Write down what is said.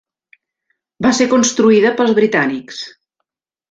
Va ser construïda pels britànics.